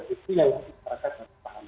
itu yang harus masyarakat paham